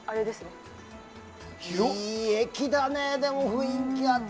いい駅だね、でも雰囲気あって。